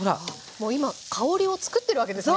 もう今香りをつくってるわけですね。